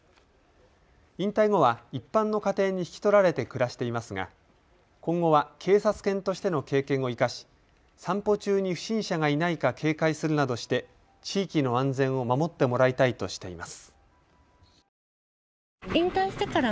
引退後は一般の家庭に引き取られて暮らしていますが今後は警察犬としての経験を生かし、散歩中に不審者がいないか警戒するなどして地域の安全を守ってもらいたいとしています。